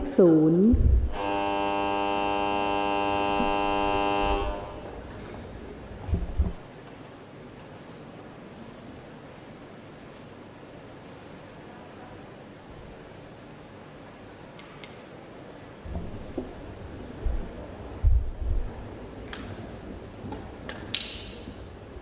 หมายเลข๐